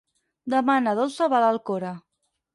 Demà na Dolça va a l'Alcora.